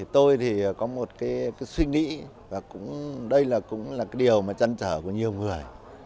tôi thì có một cái suy nghĩ và đây cũng là điều mà chân trở của nhiều người